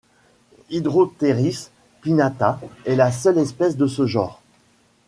Hydropteris pinnata est la seule espèce de ce genre.